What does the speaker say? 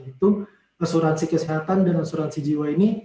jadi itu asuransi kesehatan dan asuransi jiwa ini